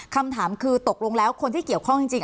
คำถามคือตกลงแล้วคนที่เกี่ยวข้องจริง